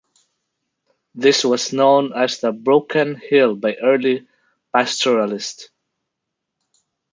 This was known as the broken hill by early pastoralists.